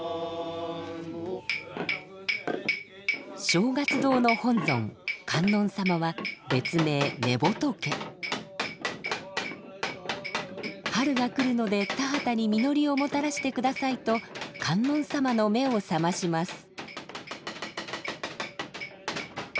正月堂の本尊観音様は別名春が来るので田畑に実りをもたらしてくださいと観音様の目を覚まします。